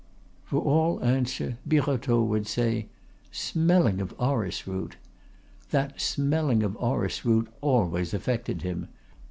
For all answer Birotteau would say, "Smelling of orris root!" That "smelling of orris root" always affected him.